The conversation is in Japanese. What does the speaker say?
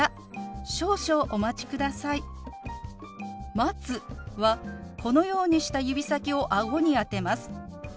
「待つ」はこのようにした指先を顎に当てます。